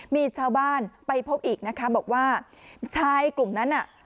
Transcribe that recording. มีชาวบ้านไปพบอีกนะคะบอกว่าชายกลุ่มนั้นน่ะ